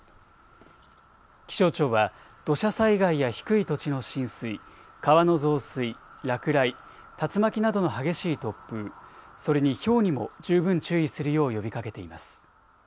気象庁は土砂災害や低い土地の浸水、川の増水、落雷、竜巻などの激しい突風、それにひょうにも十分注意するよう呼びかけています。